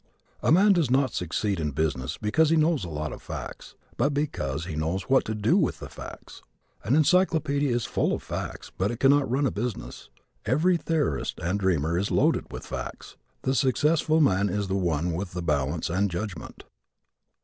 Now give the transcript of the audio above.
A man does not succeed in business because he knows a lot of facts, but because he knows what to do with the facts. An encyclopedia is full of facts but it cannot run a business. Every theorist and dreamer is loaded with facts. The successful man is the one with balance and judgment.